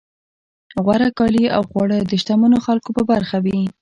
غوره کالي او خواړه د شتمنو خلکو په برخه وي.